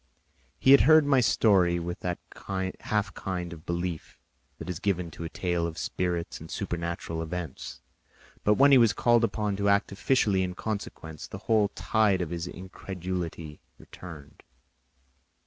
He had heard my story with that half kind of belief that is given to a tale of spirits and supernatural events; but when he was called upon to act officially in consequence, the whole tide of his incredulity returned.